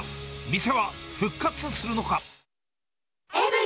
店は復活するのか。